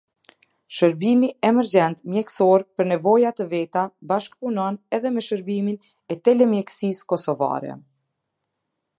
Shërbimi emergjent mjekësor për nevoja të veta bashkëpunon edhe me Shërbimin e Telemjekësisë Kosovare.